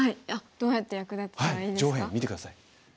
どうやって役立てたらいいですか？